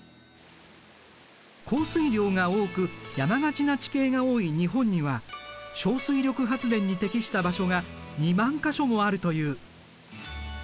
降水量が多く山がちな地形が多い日本には小水力発電に適した場所が２万か所もあるという。